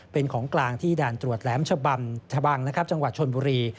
เป็นของกลางที่ด่านตรวจแหลมชะบังชะบังนะครับจังหวัดชนบุรี